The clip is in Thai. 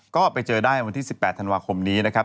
ก็ไปเจอได้วันที่๑๘ธันวาคมนี้นะครับ